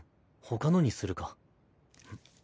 ほかのにするか。